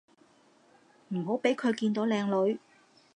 唔好畀佢見到靚女